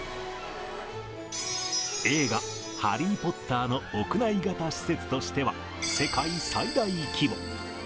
映画、ハリー・ポッターの屋内型施設としては、世界最大規模。